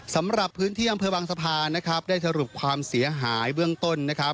สำหรับพื้นที่เยี่มเภอบางสะพานได้สรุปความเสียหายเบื้องต้น